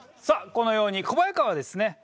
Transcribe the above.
さあこのように小早川はですね